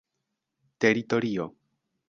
teritorio